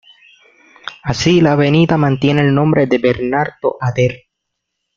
Así la Avenida mantiene el nombre de Bernardo Ader.